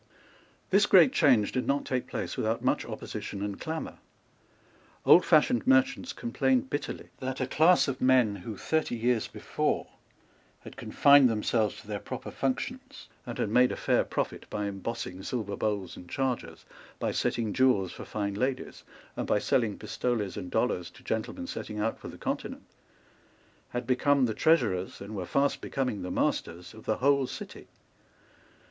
This great change did not take place without much opposition and clamour. Oldfashioned merchants complained bitterly that a class of men who, thirty years before, had confined themselves to their proper functions, and had made a fair profit by embossing silver bowls and chargers, by setting jewels for fine ladies, and by selling pistoles and dollars to gentlemen setting out for the Continent, had become the treasurers, and were fast becoming the masters, of the whole City.